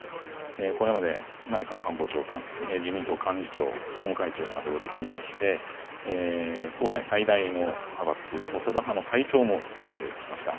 これまで内閣官房長官、自民党幹事長、総務会長などを歴任して、党内最大の派閥、細田派の会長も務めてきました。